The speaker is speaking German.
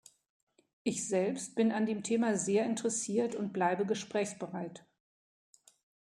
Ich selbst bin an dem Thema sehr interessiert und bleibe gesprächsbereit.